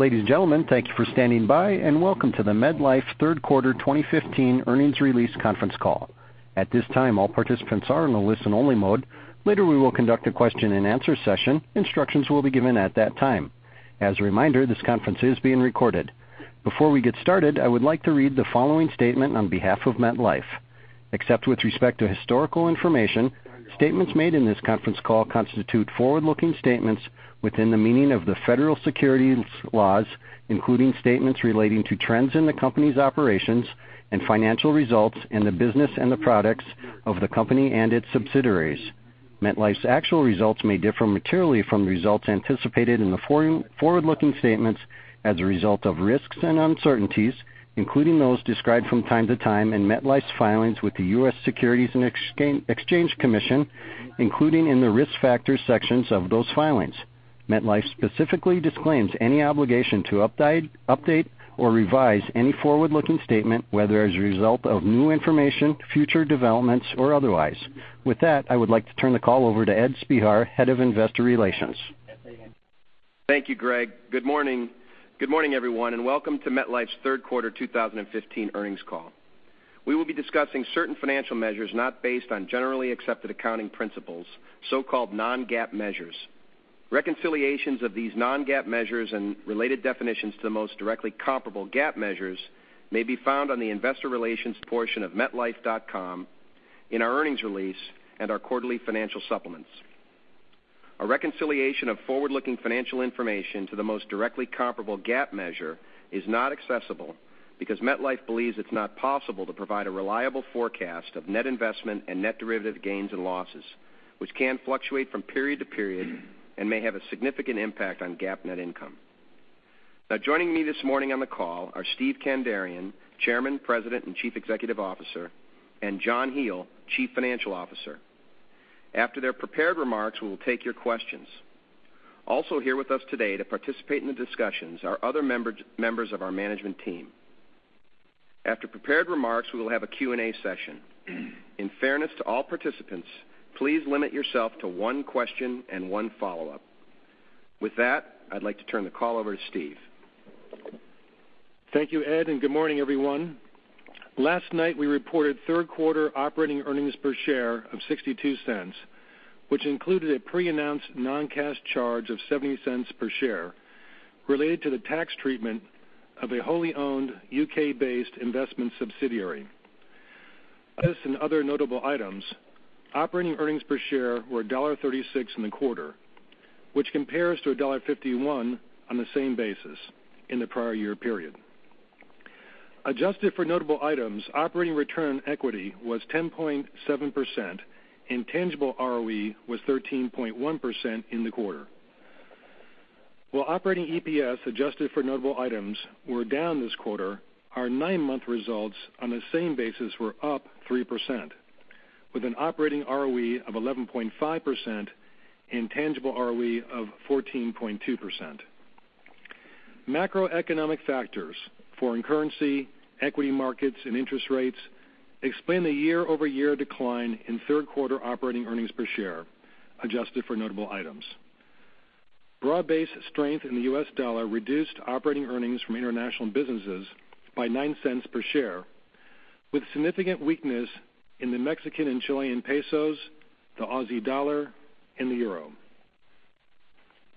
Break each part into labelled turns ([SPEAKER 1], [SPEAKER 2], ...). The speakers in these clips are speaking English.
[SPEAKER 1] Ladies and gentlemen, thank you for standing by, and welcome to the MetLife third quarter 2015 earnings release conference call. At this time, all participants are in a listen-only mode. Later, we will conduct a question-and-answer session. Instructions will be given at that time. As a reminder, this conference is being recorded. Before we get started, I would like to read the following statement on behalf of MetLife. Except with respect to historical information, statements made in this conference call constitute forward-looking statements within the meaning of the federal securities laws, including statements relating to trends in the company's operations and financial results and the business and the products of the company and its subsidiaries. MetLife's actual results may differ materially from the results anticipated in the forward-looking statements as a result of risks and uncertainties, including those described from time to time in MetLife's filings with the U.S. Securities and Exchange Commission, including in the Risk Factors sections of those filings. MetLife specifically disclaims any obligation to update or revise any forward-looking statement, whether as a result of new information, future developments, or otherwise. With that, I would like to turn the call over to Ed Spehar, Head of Investor Relations.
[SPEAKER 2] Thank you, Greg. Good morning, everyone, and welcome to MetLife's third quarter 2015 earnings call. We will be discussing certain financial measures not based on Generally Accepted Accounting Principles, so-called non-GAAP measures. Reconciliations of these non-GAAP measures and related definitions to the most directly comparable GAAP measures may be found on the investor relations portion of metlife.com, in our earnings release, and our quarterly financial supplements. A reconciliation of forward-looking financial information to the most directly comparable GAAP measure is not accessible because MetLife believes it's not possible to provide a reliable forecast of net investment and net derivative gains and losses, which can fluctuate from period to period and may have a significant impact on GAAP net income. Joining me this morning on the call are Steve Kandarian, Chairman, President, and Chief Executive Officer, and John Hele, Chief Financial Officer. After their prepared remarks, we will take your questions. Also here with us today to participate in the discussions are other members of our management team. After prepared remarks, we will have a Q&A session. In fairness to all participants, please limit yourself to one question and one follow-up. With that, I'd like to turn the call over to Steve.
[SPEAKER 3] Thank you, Ed, and good morning, everyone. Last night, we reported third quarter operating earnings per share of $0.62, which included a pre-announced non-cash charge of $0.70 per share related to the tax treatment of a wholly owned U.K.-based investment subsidiary. This and other notable items, operating earnings per share were $1.36 in the quarter, which compares to $1.51 on the same basis in the prior year period. Adjusted for notable items, operating return equity was 10.7%, and tangible ROE was 13.1% in the quarter. While operating EPS adjusted for notable items were down this quarter, our nine-month results on the same basis were up 3%, with an operating ROE of 11.5% and tangible ROE of 14.2%. Macroeconomic factors, foreign currency, equity markets, and interest rates explain the year-over-year decline in third quarter operating earnings per share, adjusted for notable items. Broad-based strength in the U.S. dollar reduced operating earnings from international businesses by $0.09 per share, with significant weakness in the Mexican and Chilean pesos, the Aussie dollar, and the euro.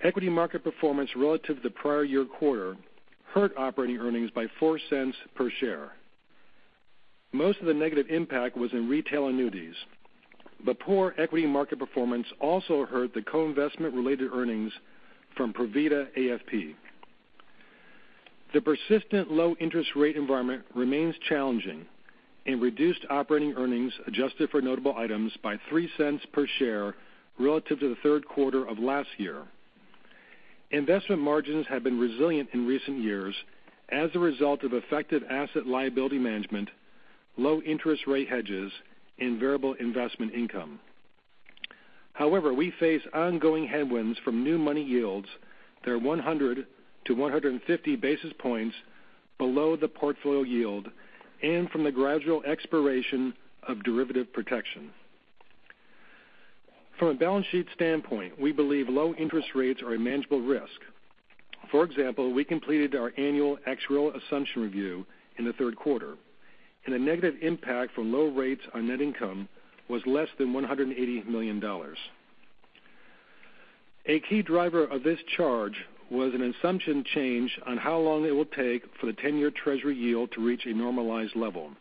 [SPEAKER 3] Equity market performance relative to the prior year quarter hurt operating earnings by $0.04 per share. Most of the negative impact was in retail annuities, but poor equity market performance also hurt the co-investment related earnings from AFP Provida. The persistent low interest rate environment remains challenging and reduced operating earnings adjusted for notable items by $0.03 per share relative to the third quarter of last year. Investment margins have been resilient in recent years as a result of effective asset liability management, low interest rate hedges, and variable investment income. We face ongoing headwinds from new money yields that are 100 to 150 basis points below the portfolio yield and from the gradual expiration of derivative protection. From a balance sheet standpoint, we believe low interest rates are a manageable risk. For example, we completed our annual actuarial assumption review in the third quarter, and the negative impact from low rates on net income was less than $180 million. A key driver of this charge was an assumption change on how long it will take for the 10-year Treasury yield to reach a normalized level.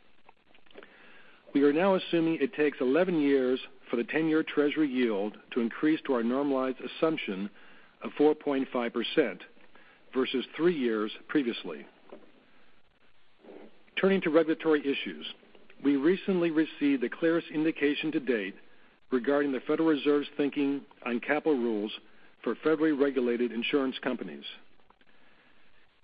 [SPEAKER 3] We are now assuming it takes 11 years for the 10-year Treasury yield to increase to our normalized assumption of 4.5% versus three years previously. Turning to regulatory issues. We recently received the clearest indication to date regarding the Federal Reserve's thinking on capital rules for federally regulated insurance companies.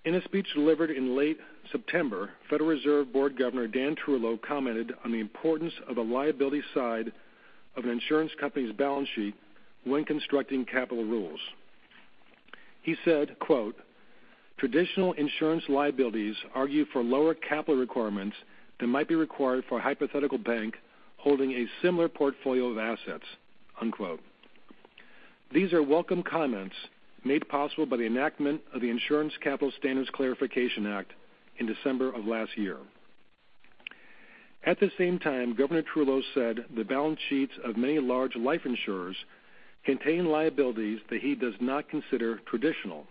[SPEAKER 3] In a speech delivered in late September, Federal Reserve Board Governor Dan Tarullo commented on the importance of a liability side of an insurance company's balance sheet when constructing capital rules. He said, quote, "Traditional insurance liabilities argue for lower capital requirements than might be required for a hypothetical bank holding a similar portfolio of assets." Unquote. These are welcome comments made possible by the enactment of the Insurance Capital Standards Clarification Act in December of last year. At the same time, Governor Tarullo said the balance sheets of many large life insurers contain liabilities that he does not consider traditional.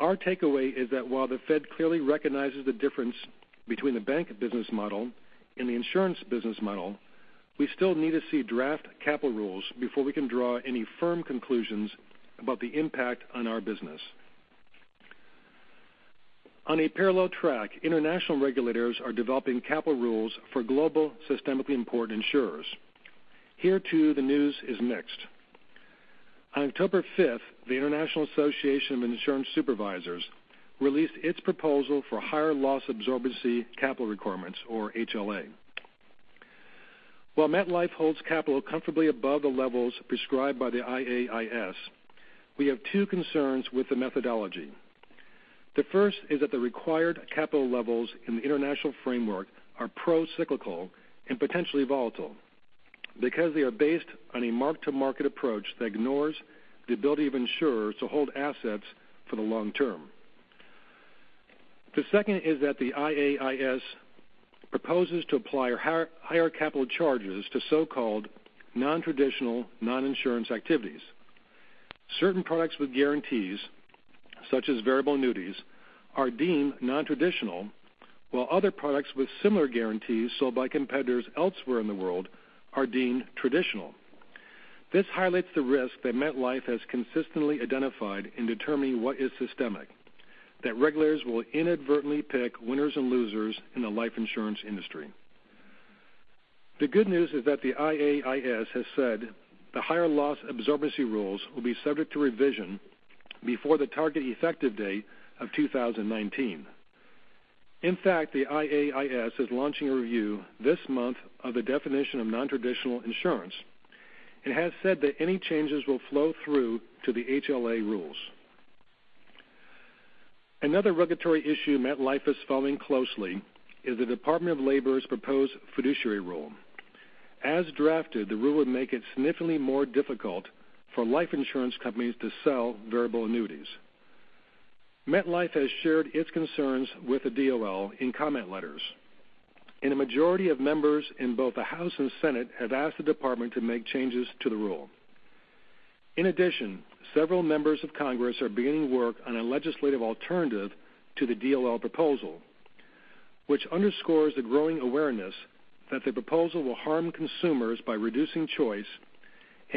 [SPEAKER 3] Our takeaway is that while the Fed clearly recognizes the difference between the bank business model and the insurance business model, we still need to see draft capital rules before we can draw any firm conclusions about the impact on our business. On a parallel track, international regulators are developing capital rules for global systemically important insurers. Here too, the news is mixed. On October 5th, the International Association of Insurance Supervisors released its proposal for higher loss absorbency capital requirements, or HLA. While MetLife holds capital comfortably above the levels prescribed by the IAIS, we have two concerns with the methodology. The first is that the required capital levels in the international framework are pro-cyclical and potentially volatile, because they are based on a mark-to-market approach that ignores the ability of insurers to hold assets for the long term. The second is that the IAIS proposes to apply higher capital charges to so-called nontraditional non-insurance activities. Certain products with guarantees, such as variable annuities, are deemed nontraditional, while other products with similar guarantees sold by competitors elsewhere in the world are deemed traditional. This highlights the risk that MetLife has consistently identified in determining what is systemic, that regulators will inadvertently pick winners and losers in the life insurance industry. The good news is that the IAIS has said the higher loss absorbency rules will be subject to revision before the target effective date of 2019. In fact, the IAIS is launching a review this month of the definition of nontraditional insurance and has said that any changes will flow through to the HLA rules. Another regulatory issue MetLife is following closely is the Department of Labor's proposed fiduciary rule. As drafted, the rule would make it significantly more difficult for life insurance companies to sell variable annuities. MetLife has shared its concerns with the DOL in comment letters, and a majority of members in both the House and Senate have asked the department to make changes to the rule. In addition, several members of Congress are beginning work on a legislative alternative to the DOL proposal, which underscores the growing awareness that the proposal will harm consumers by reducing choice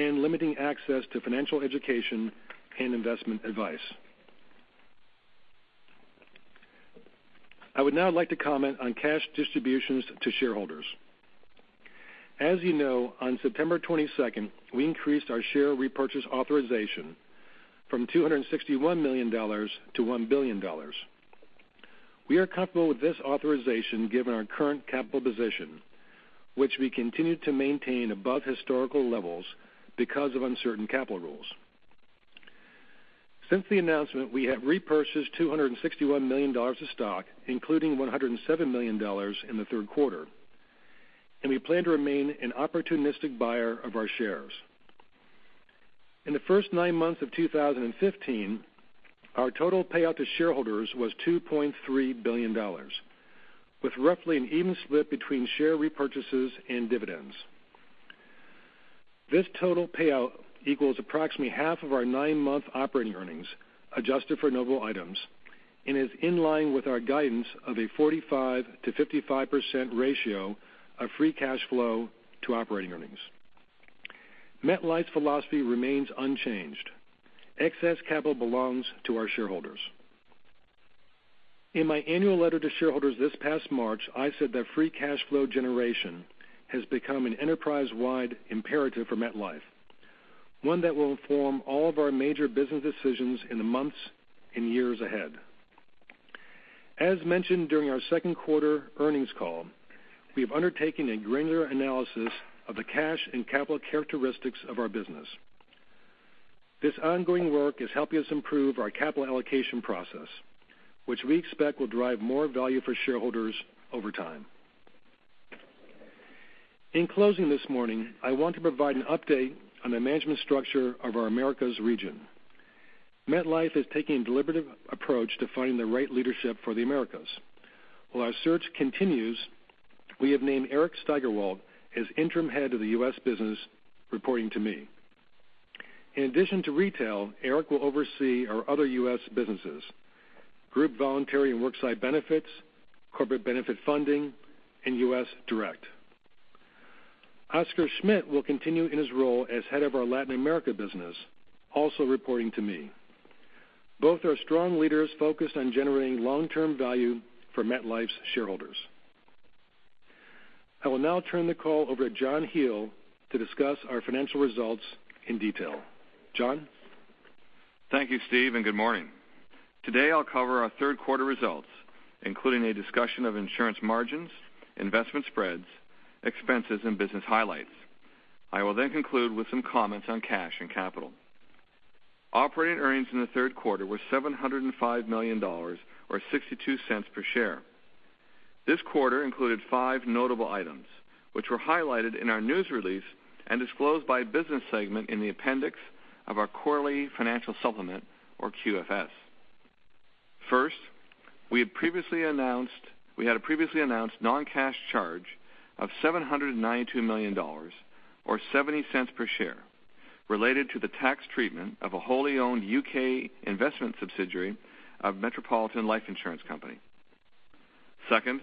[SPEAKER 3] and limiting access to financial education and investment advice. I would now like to comment on cash distributions to shareholders. As you know, on September 22nd, we increased our share repurchase authorization from $261 million to $1 billion. We are comfortable with this authorization given our current capital position, which we continue to maintain above historical levels because of uncertain capital rules. Since the announcement, we have repurchased $261 million of stock, including $107 million in the third quarter, and we plan to remain an opportunistic buyer of our shares. In the first nine months of 2015, our total payout to shareholders was $2.3 billion, with roughly an even split between share repurchases and dividends. This total payout equals approximately half of our nine-month operating earnings, adjusted for notable items, and is in line with our guidance of a 45%-55% ratio of free cash flow to operating earnings. MetLife's philosophy remains unchanged. Excess capital belongs to our shareholders. In my annual letter to shareholders this past March, I said that free cash flow generation has become an enterprise-wide imperative for MetLife, one that will inform all of our major business decisions in the months and years ahead. As mentioned during our second quarter earnings call, we have undertaken a granular analysis of the cash and capital characteristics of our business. This ongoing work is helping us improve our capital allocation process, which we expect will drive more value for shareholders over time. In closing this morning, I want to provide an update on the management structure of our Americas region. MetLife is taking a deliberative approach to finding the right leadership for the Americas. While our search continues, we have named Eric Steigerwalt as interim head of the U.S. business, reporting to me. In addition to retail, Eric will oversee our other U.S. businesses, group, voluntary, and worksite benefits, corporate benefit funding, and U.S. Direct. Oscar Schmidt will continue in his role as head of our Latin America business, also reporting to me. Both are strong leaders focused on generating long-term value for MetLife's shareholders. I will now turn the call over to John Hele to discuss our financial results in detail. John?
[SPEAKER 4] Thank you, Steve, and good morning. Today, I'll cover our third quarter results, including a discussion of insurance margins, investment spreads, expenses, and business highlights. I will then conclude with some comments on cash and capital. Operating earnings in the third quarter were $705 million, or $0.62 per share. This quarter included five notable items, which were highlighted in our news release and disclosed by business segment in the appendix of our quarterly financial supplement, or QFS. First, we had a previously announced non-cash charge of $792 million or $0.70 per share, related to the tax treatment of a wholly owned U.K. investment subsidiary of Metropolitan Life Insurance Company. Second,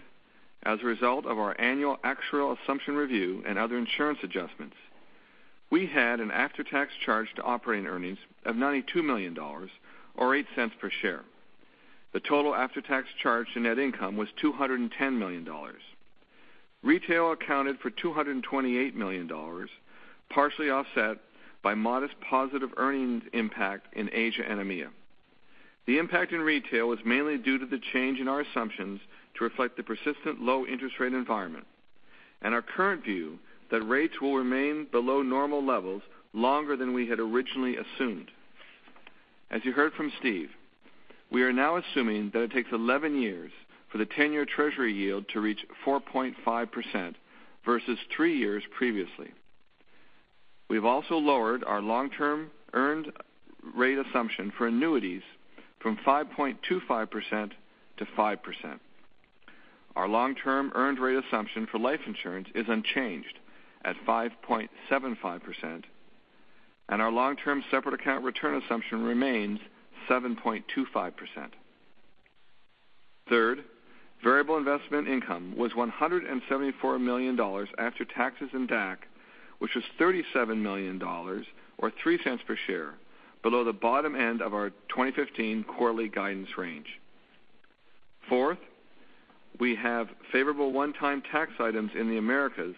[SPEAKER 4] as a result of our annual actuarial assumption review and other insurance adjustments, we had an after-tax charge to operating earnings of $92 million or $0.08 per share. The total after-tax charge to net income was $210 million. Retail accounted for $228 million, partially offset by modest positive earnings impact in Asia and EMEA. The impact in retail was mainly due to the change in our assumptions to reflect the persistent low interest rate environment, and our current view that rates will remain below normal levels longer than we had originally assumed. As you heard from Steve, we are now assuming that it takes 11 years for the 10-year treasury yield to reach 4.5% versus three years previously. We've also lowered our long-term earned rate assumption for annuities from 5.25% to 5%. Our long-term earned rate assumption for life insurance is unchanged at 5.75%, and our long-term separate account return assumption remains 7.25%. Third, variable investment income was $174 million after taxes and DAC, which was $37 million, or $0.03 per share below the bottom end of our 2015 quarterly guidance range. Fourth, we have favorable one-time tax items in the Americas,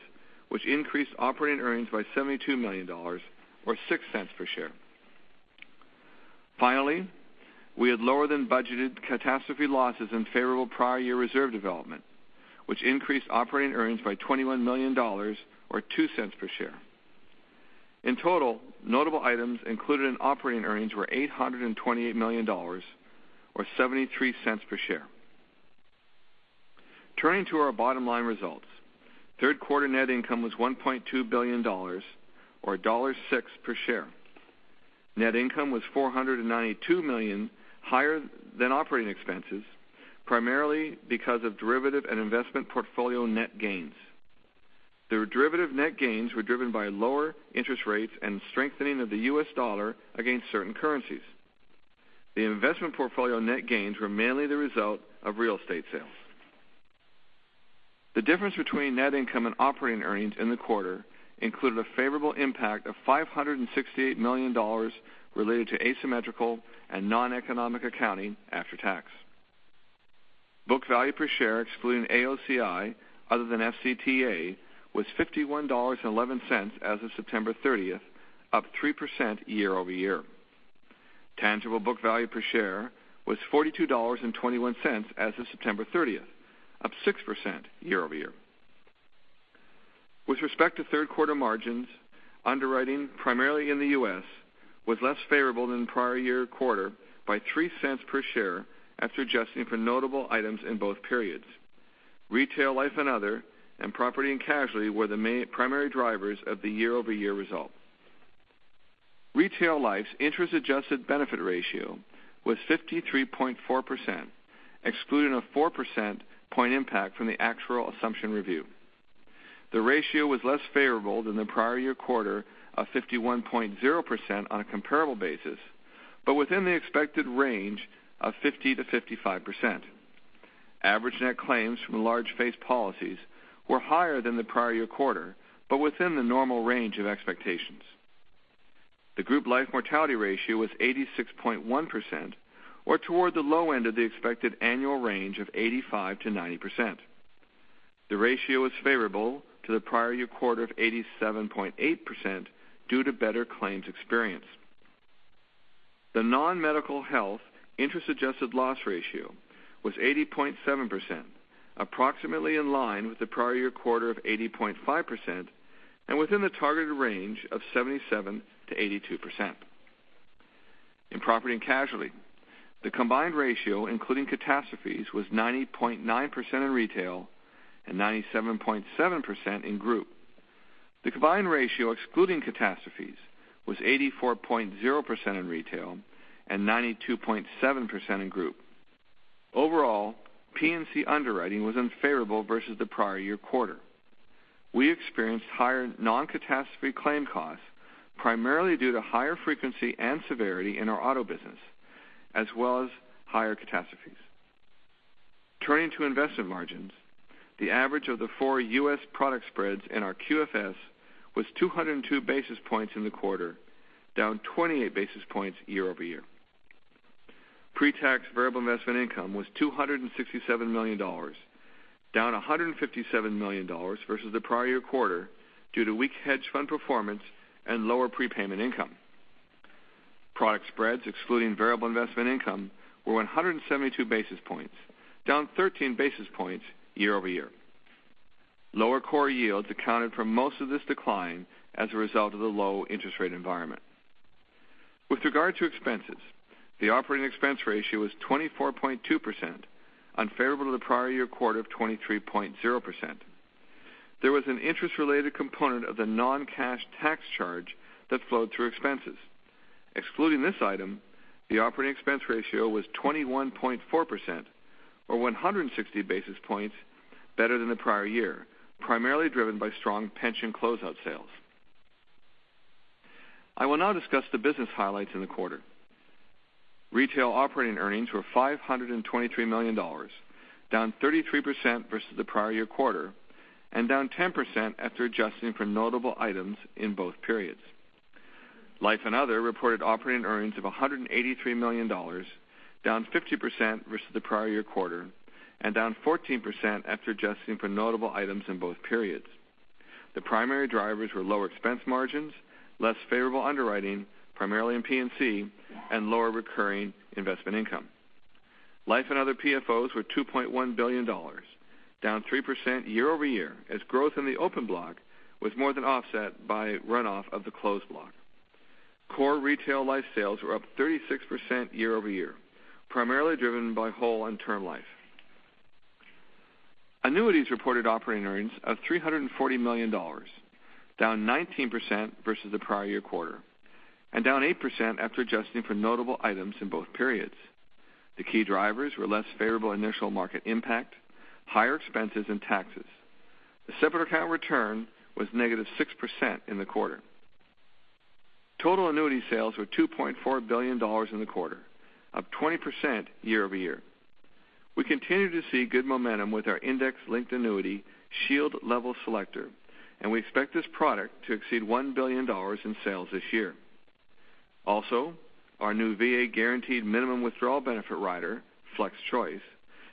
[SPEAKER 4] which increased operating earnings by $72 million or $0.06 per share. Finally, we had lower than budgeted catastrophe losses and favorable prior year reserve development, which increased operating earnings by $21 million or $0.02 per share. In total, notable items included in operating earnings were $828 million or $0.73 per share. Turning to our bottom-line results, third quarter net income was $1.2 billion or $1.06 per share. Net income was $492 million higher than operating expenses, primarily because of derivative and investment portfolio net gains. The derivative net gains were driven by lower interest rates and strengthening of the U.S. dollar against certain currencies. The investment portfolio net gains were mainly the result of real estate sales. The difference between net income and operating earnings in the quarter included a favorable impact of $568 million related to asymmetrical and noneconomic accounting after tax. Book value per share excluding AOCI other than FCTA was $51.11 as of September 30th, up 3% year-over-year. Tangible book value per share was $42.21 as of September 30th, up 6% year-over-year. With respect to third quarter margins, underwriting primarily in the U.S. was less favorable than the prior year quarter by $0.03 per share after adjusting for notable items in both periods. Retail, Life and Other, and P&C were the main primary drivers of the year-over-year result. Retail life's interest adjusted benefit ratio was 53.4%, excluding a 4 percentage point impact from the actuarial assumption review. The ratio was less favorable than the prior year quarter of 51.0% on a comparable basis, but within the expected range of 50%-55%. Average net claims from large face policies were higher than the prior year quarter, but within the normal range of expectations. The group life mortality ratio was 86.1%, or toward the low end of the expected annual range of 85%-90%. The ratio was favorable to the prior year quarter of 87.8% due to better claims experience. The non-medical health interest adjusted loss ratio was 80.7%, approximately in line with the prior year quarter of 80.5% and within the targeted range of 77%-82%. In P&C, the combined ratio, including catastrophes, was 90.9% in retail and 97.7% in group. The combined ratio excluding catastrophes was 84.0% in retail and 92.7% in group. Overall, P&C underwriting was unfavorable versus the prior year quarter. We experienced higher non-catastrophe claim costs, primarily due to higher frequency and severity in our auto business, as well as higher catastrophes. Turning to investment margins, the average of the 4 U.S. product spreads in our QFS was 202 basis points in the quarter, down 28 basis points year-over-year. Pre-tax variable investment income was $267 million, down $157 million versus the prior year quarter due to weak hedge fund performance and lower prepayment income. Product spreads excluding variable investment income were 172 basis points, down 13 basis points year-over-year. Lower core yields accounted for most of this decline as a result of the low interest rate environment. With regard to expenses, the operating expense ratio was 24.2%, unfavorable to the prior year quarter of 23.0%. There was an interest-related component of the non-cash tax charge that flowed through expenses. Excluding this item, the operating expense ratio was 21.4%, or 160 basis points better than the prior year, primarily driven by strong pension closeout sales. I will now discuss the business highlights in the quarter. Retail operating earnings were $523 million, down 33% versus the prior year quarter, and down 10% after adjusting for notable items in both periods. Life and Other reported operating earnings of $183 million, down 50% versus the prior year quarter, and down 14% after adjusting for notable items in both periods. The primary drivers were lower expense margins, less favorable underwriting, primarily in P&C, and lower recurring investment income. Life and Other PFOs were $2.1 billion, down 3% year-over-year as growth in the open block was more than offset by runoff of the closed block. Core Retail Life sales were up 36% year-over-year, primarily driven by whole and term life. Annuities reported operating earnings of $340 million, down 19% versus the prior year quarter, and down 8% after adjusting for notable items in both periods. The key drivers were less favorable initial market impact, higher expenses, and taxes. The separate account return was negative 6% in the quarter. Total annuity sales were $2.4 billion in the quarter, up 20% year-over-year. We continue to see good momentum with our index-linked annuity, Shield Level Selector, and we expect this product to exceed $1 billion in sales this year. Also, our new VA Guaranteed Minimum Withdrawal Benefit rider, FlexChoice,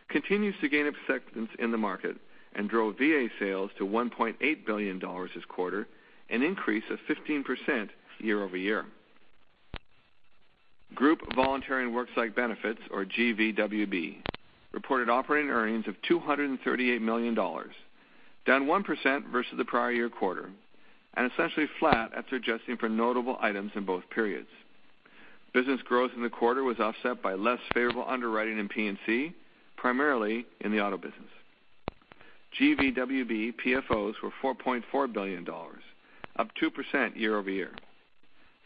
[SPEAKER 4] continues to gain acceptance in the market and drove VA sales to $1.8 billion this quarter, an increase of 15% year-over-year. Group Voluntary and Worksite Benefits, or GVWB, reported operating earnings of $238 million, down 1% versus the prior year quarter, and essentially flat after adjusting for notable items in both periods. Business growth in the quarter was offset by less favorable underwriting in P&C, primarily in the auto business. GVWB PFOs were $4.4 billion, up 2% year-over-year.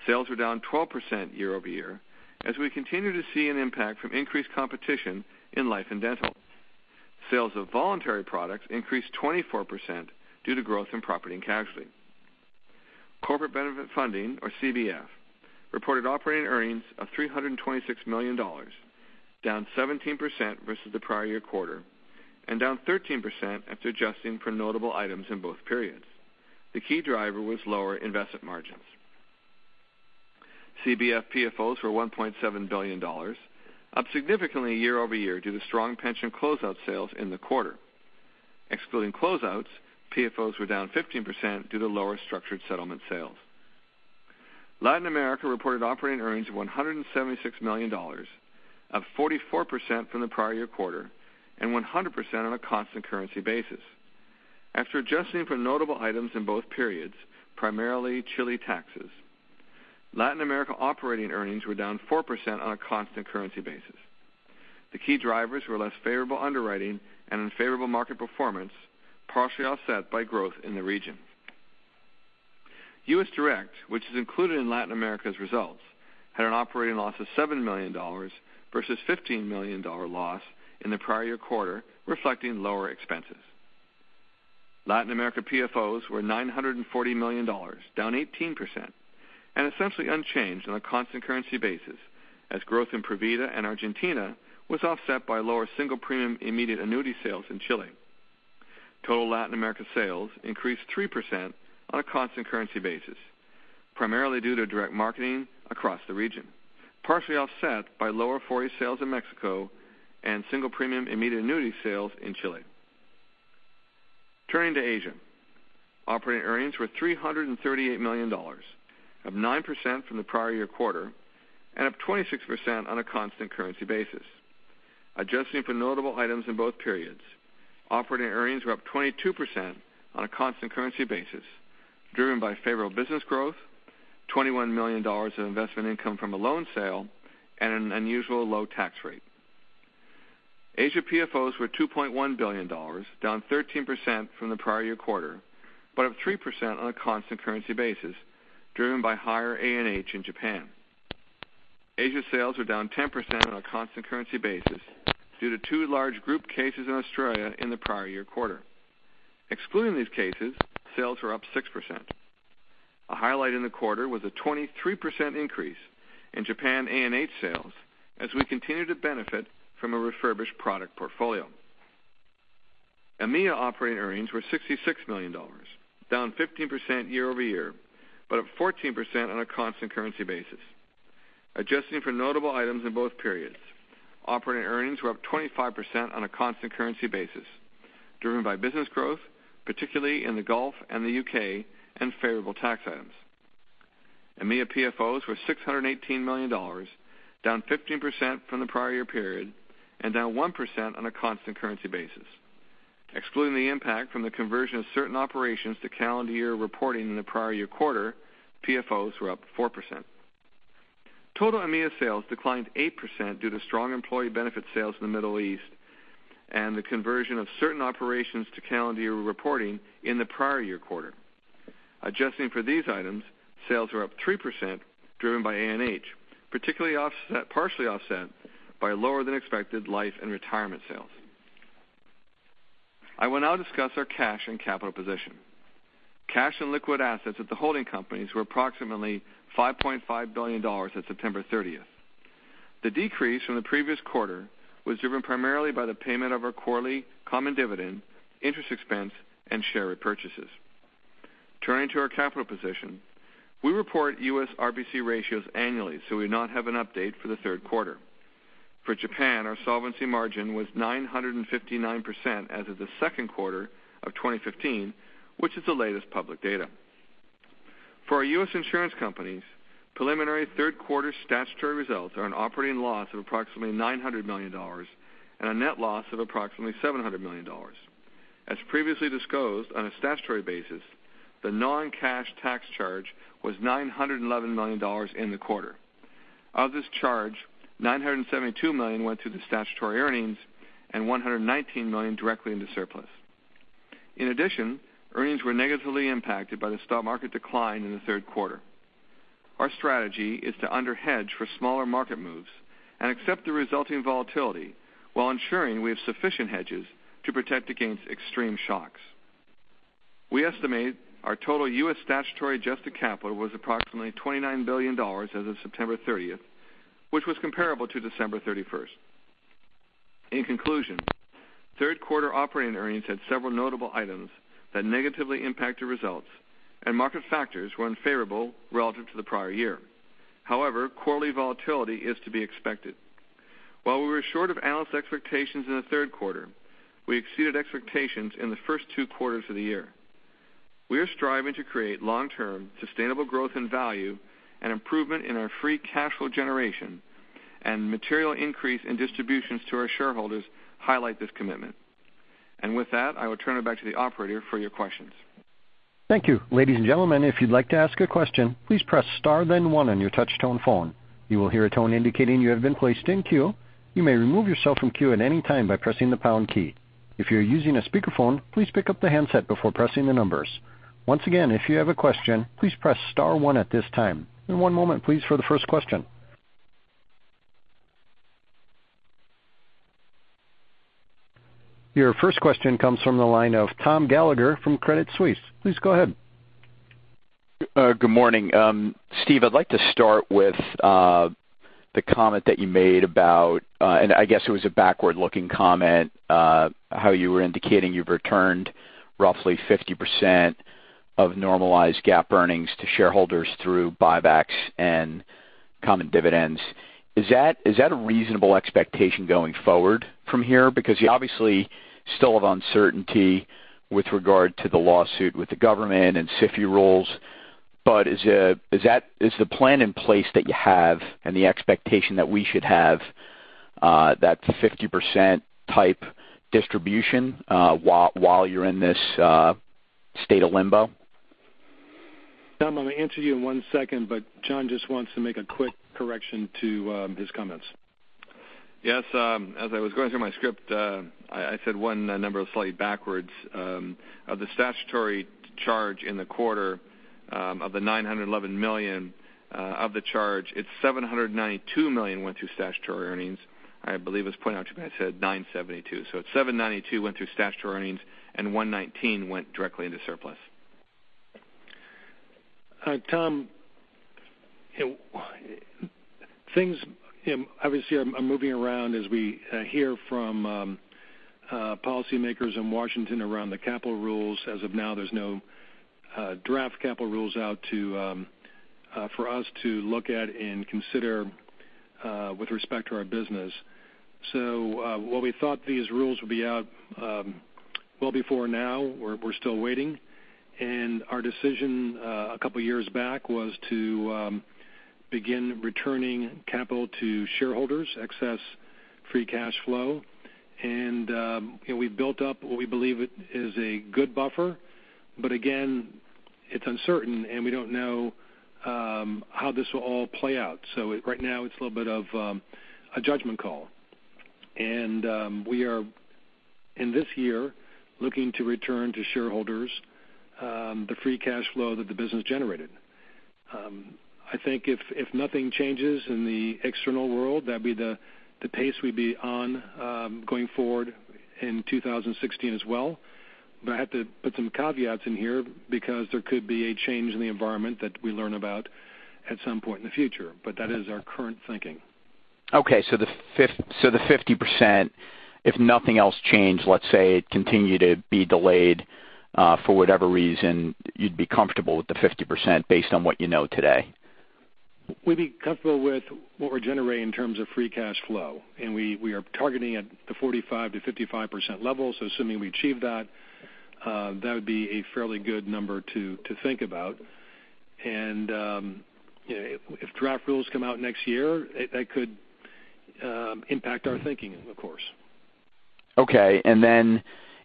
[SPEAKER 4] Sales were down 12% year-over-year as we continue to see an impact from increased competition in life and dental. Sales of voluntary products increased 24% due to growth in property and casualty. Corporate Benefit Funding, or CBF, reported operating earnings of $326 million, down 17% versus the prior year quarter, and down 13% after adjusting for notable items in both periods. The key driver was lower investment margins. CBF PFOs were $1.7 billion, up significantly year-over-year due to strong pension closeout sales in the quarter. Excluding closeouts, PFOs were down 15% due to lower structured settlement sales. Latin America reported operating earnings of $176 million, up 44% from the prior year quarter, and 100% on a constant currency basis. After adjusting for notable items in both periods, primarily Chile taxes, Latin America operating earnings were down 4% on a constant currency basis. The key drivers were less favorable underwriting and unfavorable market performance, partially offset by growth in the region. U.S. Direct, which is included in Latin America's results, had an operating loss of $7 million versus $15 million loss in the prior year quarter, reflecting lower expenses. Latin America PFOs were $940 million, down 18%, and essentially unchanged on a constant currency basis as growth in Provida and Argentina was offset by lower single premium immediate annuity sales in Chile. Total Latin America sales increased 3% on a constant currency basis, primarily due to direct marketing across the region, partially offset by lower Afore sales in Mexico and single premium immediate annuity sales in Chile. Turning to Asia. Operating earnings were $338 million, up 9% from the prior year quarter, and up 26% on a constant currency basis. Adjusting for notable items in both periods, operating earnings were up 22% on a constant currency basis, driven by favorable business growth, $21 million of investment income from a loan sale, and an unusually low tax rate. Asia PFOs were $2.1 billion, down 13% from the prior year quarter, but up 3% on a constant currency basis, driven by higher A&H in Japan. Asia sales are down 10% on a constant currency basis due to two large group cases in Australia in the prior year quarter. Excluding these cases, sales were up 6%. A highlight in the quarter was a 23% increase in Japan A&H sales as we continue to benefit from a refurbished product portfolio. EMEA operating earnings were $66 million, down 15% year-over-year, but up 14% on a constant currency basis. Adjusting for notable items in both periods, operating earnings were up 25% on a constant currency basis, driven by business growth, particularly in the Gulf and the U.K., and favorable tax items. EMEA PFOs were $618 million, down 15% from the prior year period and down 1% on a constant currency basis. Excluding the impact from the conversion of certain operations to calendar year reporting in the prior year quarter, PFOs were up 4%. Total EMEA sales declined 8% due to strong employee benefit sales in the Middle East and the conversion of certain operations to calendar year reporting in the prior year quarter. Adjusting for these items, sales were up 3%, driven by A&H, partially offset by lower than expected life and retirement sales. I will now discuss our cash and capital position. Cash and liquid assets at the holding companies were approximately $5.5 billion at September 30th. The decrease from the previous quarter was driven primarily by the payment of our quarterly common dividend, interest expense, and share repurchases. Turning to our capital position, we report U.S. RBC ratios annually, so we do not have an update for the third quarter. For Japan, our solvency margin was 959% as of the second quarter of 2015, which is the latest public data. For our U.S. insurance companies, preliminary third quarter statutory results are an operating loss of approximately $900 million, and a net loss of approximately $700 million. As previously disclosed on a statutory basis, the non-cash tax charge was $911 million in the quarter. Of this charge, $972 million went to the statutory earnings and $119 million directly into surplus. In addition, earnings were negatively impacted by the stock market decline in the third quarter. Our strategy is to underhedge for smaller market moves and accept the resulting volatility while ensuring we have sufficient hedges to protect against extreme shocks. We estimate our total U.S. statutory adjusted capital was approximately $29 billion as of September 30th, which was comparable to December 31st. In conclusion, third quarter operating earnings had several notable items that negatively impacted results, and market factors were unfavorable relative to the prior year. However, quarterly volatility is to be expected. While we were short of analyst expectations in the third quarter, we exceeded expectations in the first two quarters of the year. We are striving to create long-term sustainable growth in value, and improvement in our free cash flow generation and material increase in distributions to our shareholders highlight this commitment. With that, I will turn it back to the operator for your questions.
[SPEAKER 1] Thank you. Ladies and gentlemen, if you'd like to ask a question, please press star then one on your touch tone phone. You will hear a tone indicating you have been placed in queue. You may remove yourself from queue at any time by pressing the pound key. If you're using a speakerphone, please pick up the handset before pressing the numbers. Once again, if you have a question, please press star one at this time. One moment, please, for the first question. Your first question comes from the line of Thomas Gallagher from Credit Suisse. Please go ahead.
[SPEAKER 5] Good morning. Steve, I'd like to start with the comment that you made about, I guess it was a backward-looking comment, how you were indicating you've returned roughly 50% of normalized GAAP earnings to shareholders through buybacks and common dividends. Is that a reasonable expectation going forward from here? Because you obviously still have uncertainty with regard to the lawsuit with the government and SIFI rules, is the plan in place that you have and the expectation that we should have that 50% type distribution while you're in this state of limbo?
[SPEAKER 4] Tom, I'm going to answer you in one second, John just wants to make a quick correction to his comments. Yes, as I was going through my script, I said one number slightly backwards. Of the statutory charge in the quarter, of the $911 million of the charge, it's $792 million went through statutory earnings. I believe as pointed out to me, I said $972. It's $792 went through statutory earnings and $119 went directly into surplus. Tom, things obviously are moving around as we hear from policymakers in Washington around the capital rules. As of now, there's no draft capital rules out for us to look at and consider with respect to our business. While we thought these rules would be out well before now, we're still waiting, our decision a couple of years back was to begin returning capital to shareholders, excess free cash flow. We've built up what we believe is a good buffer, again, it's uncertain, and we don't know how this will all play out. Right now, it's a little bit of a judgment call. We are, in this year, looking to return to shareholders the free cash flow that the business generated. I think if nothing changes in the external world, that'd be the pace we'd be on going forward in 2016 as well. I have to put some caveats in here because there could be a change in the environment that we learn about at some point in the future. That is our current thinking.
[SPEAKER 5] Okay, the 50%, if nothing else changed, let's say it continued to be delayed for whatever reason, you'd be comfortable with the 50% based on what you know today?
[SPEAKER 3] We'd be comfortable with what we're generating in terms of free cash flow. We are targeting at the 45%-55% level. Assuming we achieve that would be a fairly good number to think about. If draft rules come out next year, that could impact our thinking of course.
[SPEAKER 5] Okay.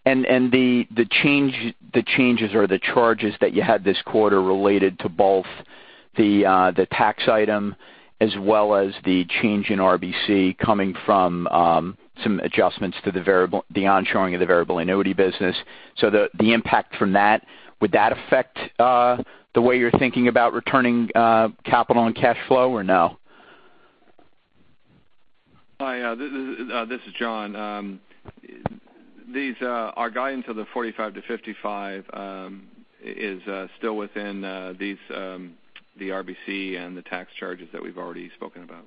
[SPEAKER 5] The changes or the charges that you had this quarter related to both the tax item as well as the change in RBC coming from some adjustments to the on-shoring of the variable annuity business. The impact from that, would that affect the way you're thinking about returning capital and cash flow or no?
[SPEAKER 4] Hi, this is John. Our guidance of the 45-55 is still within the RBC and the tax charges that we've already spoken about.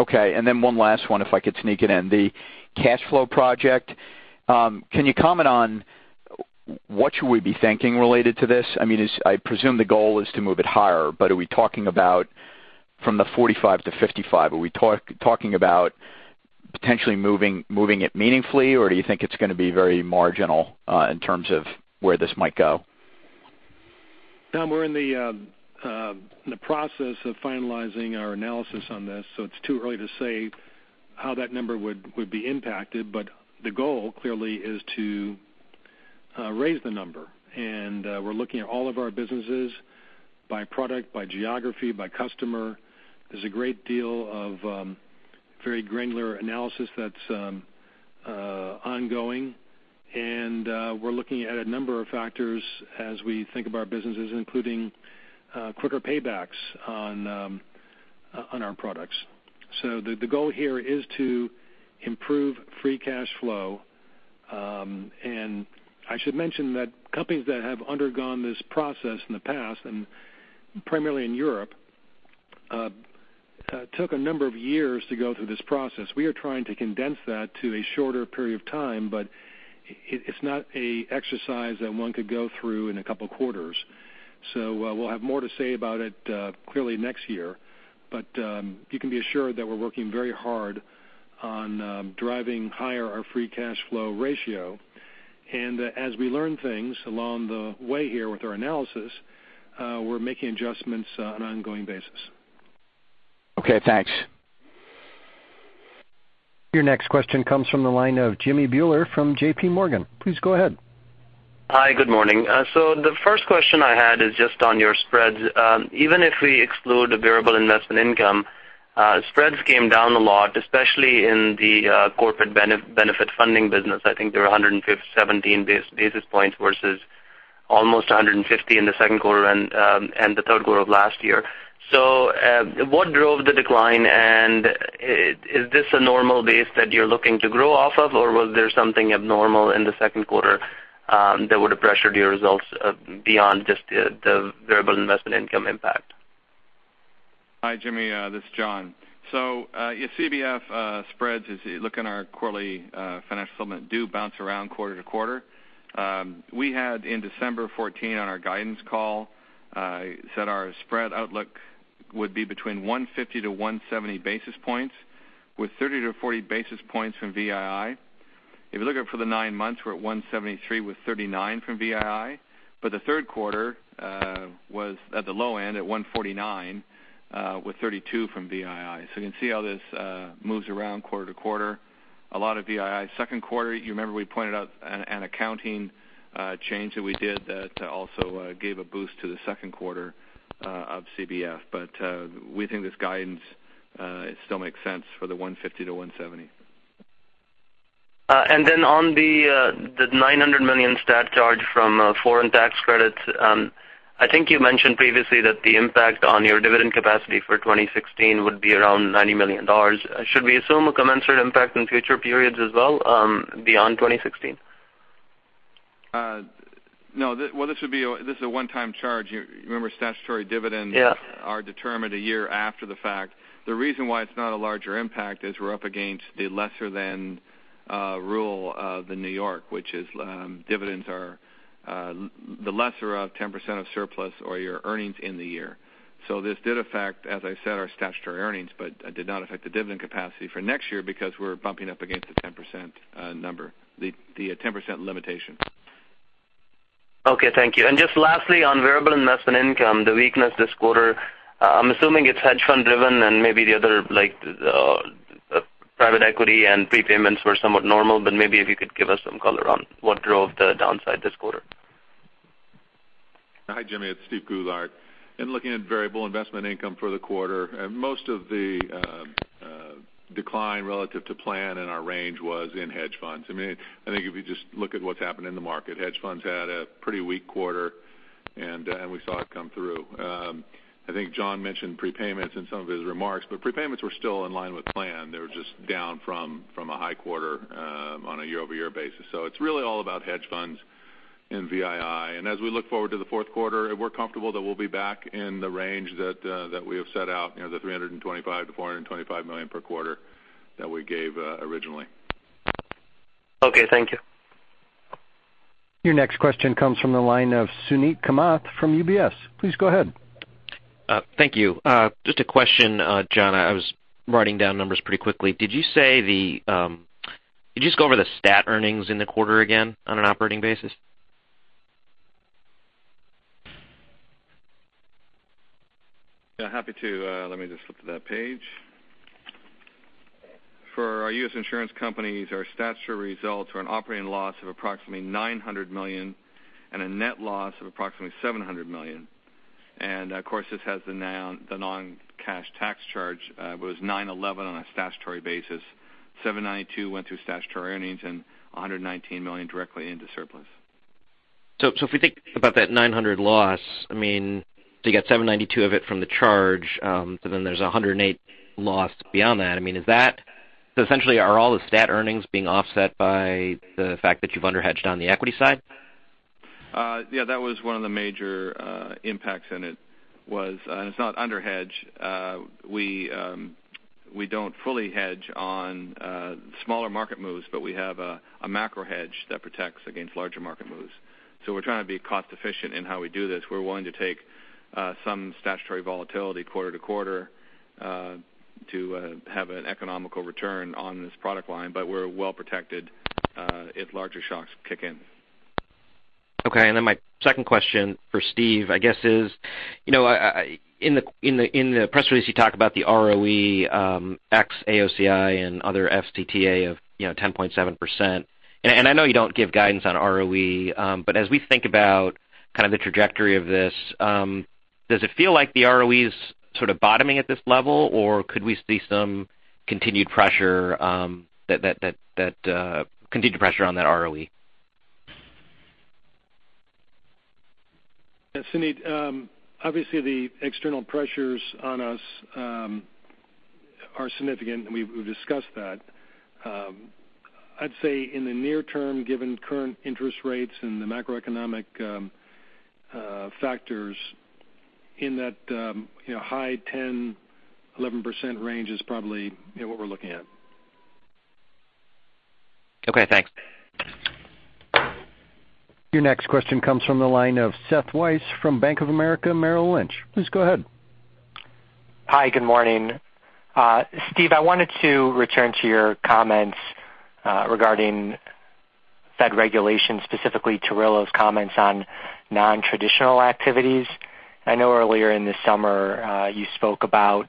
[SPEAKER 5] Okay, one last one, if I could sneak it in. The cash flow project, can you comment on what should we be thinking related to this? I presume the goal is to move it higher, but are we talking about from the 45-55? Are we talking about potentially moving it meaningfully, or do you think it's going to be very marginal in terms of where this might go?
[SPEAKER 3] Tom, we're in the process of finalizing our analysis on this, it's too early to say how that number would be impacted. The goal, clearly, is to raise the number. We're looking at all of our businesses by product, by geography, by customer. There's a great deal of very granular analysis that's ongoing, and we're looking at a number of factors as we think of our businesses, including quicker paybacks on our products. The goal here is to improve free cash flow. I should mention that companies that have undergone this process in the past, and primarily in Europe, took a number of years to go through this process. We are trying to condense that to a shorter period of time, but it's not an exercise that one could go through in a couple of quarters. We'll have more to say about it, clearly next year. You can be assured that we're working very hard on driving higher our free cash flow ratio. As we learn things along the way here with our analysis, we're making adjustments on an ongoing basis.
[SPEAKER 5] Okay, thanks.
[SPEAKER 1] Your next question comes from the line of Jimmy Bhullar from J.P. Morgan. Please go ahead.
[SPEAKER 6] The first question I had is just on your spreads. Even if we exclude the variable investment income, spreads came down a lot, especially in the corporate benefit funding business. I think they were 117 basis points versus almost 150 in the second quarter and the third quarter of last year. What drove the decline, and is this a normal base that you're looking to grow off of, or was there something abnormal in the second quarter that would have pressured your results beyond just the variable investment income impact?
[SPEAKER 4] Hi, Jimmy, this is John. Yes, CBF spreads, as you look in our quarterly financial statement, do bounce around quarter to quarter. We had in December 14 on our guidance call said our spread outlook would be between 150 to 170 basis points with 30 to 40 basis points from VII. If you look at it for the nine months, we're at 173 with 39 from VII. The third quarter was at the low end at 149 with 32 from VII. You can see how this moves around quarter to quarter. A lot of VII. Second quarter, you remember we pointed out an accounting change that we did that also gave a boost to the second quarter of CBF. We think this guidance still makes sense for the 150 to 170.
[SPEAKER 6] On the $900 million stat charge from foreign tax credits, I think you mentioned previously that the impact on your dividend capacity for 2016 would be around $90 million. Should we assume a commensurate impact in future periods as well beyond 2016?
[SPEAKER 4] No. Well, this is a one-time charge. You remember statutory dividends-
[SPEAKER 6] Yeah
[SPEAKER 4] Statutory dividends are determined a year after the fact. The reason why it's not a larger impact is we're up against the lesser than rule of the New York, which is dividends are the lesser of 10% of surplus or your earnings in the year. This did affect, as I said, our statutory earnings, but it did not affect the dividend capacity for next year because we're bumping up against the 10% number, the 10% limitation.
[SPEAKER 6] Okay, thank you. Just lastly, on variable investment income, the weakness this quarter, I'm assuming it's hedge fund driven and maybe the other private equity and prepayments were somewhat normal, but maybe if you could give us some color on what drove the downside this quarter.
[SPEAKER 7] Hi, Jimmy, it's Steven Goulart. In looking at variable investment income for the quarter, most of the decline relative to plan and our range was in hedge funds. I think if you just look at what's happened in the market, hedge funds had a pretty weak quarter, and we saw it come through. I think John mentioned prepayments in some of his remarks, but prepayments were still in line with plan. It's really all about hedge funds and VII. As we look forward to the fourth quarter, we're comfortable that we'll be back in the range that we have set out, the $325 million-$425 million per quarter that we gave originally.
[SPEAKER 6] Okay, thank you.
[SPEAKER 1] Your next question comes from the line of Suneet Kamath from UBS. Please go ahead.
[SPEAKER 8] Thank you. Just a question, John. I was writing down numbers pretty quickly. Could you just go over the statutory earnings in the quarter again on an operating basis?
[SPEAKER 4] Yeah, happy to. Let me just flip to that page. For our U.S. insurance companies, our statutory results are an operating loss of approximately $900 million and a net loss of approximately $700 million. Of course, this has the non-cash tax charge was $911 on a statutory basis, $792 went through statutory earnings and $119 million directly into surplus.
[SPEAKER 8] If we think about that $900 loss, you get $792 of it from the charge, there's $108 loss beyond that. Essentially, are all the stat earnings being offset by the fact that you've under-hedged on the equity side?
[SPEAKER 4] Yeah, that was one of the major impacts in it. It's not under-hedge. We don't fully hedge on smaller market moves, but we have a macro hedge that protects against larger market moves. We're trying to be cost-efficient in how we do this. We're willing to take some statutory volatility quarter-to-quarter to have an economical return on this product line, but we're well-protected if larger shocks kick in.
[SPEAKER 8] Okay. My second question for Steve, I guess, is in the press release, you talk about the ROE ex AOCI and other FCTA of 10.7%. I know you don't give guidance on ROE. As we think about the trajectory of this, does it feel like the ROE is sort of bottoming at this level, or could we see some continued pressure on that ROE?
[SPEAKER 3] Yeah, Suneet, obviously, the external pressures on us are significant, and we've discussed that. I'd say in the near term, given current interest rates and the macroeconomic factors in that high 10%-11% range is probably what we're looking at.
[SPEAKER 8] Okay, thanks.
[SPEAKER 1] Your next question comes from the line of Seth Weiss from Bank of America Merrill Lynch. Please go ahead.
[SPEAKER 9] Hi, good morning. Steve, I wanted to return to your comments regarding Fed regulations, specifically Tarullo's comments on non-traditional activities. I know earlier in the summer, you spoke about